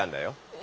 え。